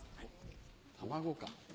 卵か。